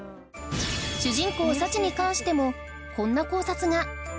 主人公佐知に関してもこんな考察が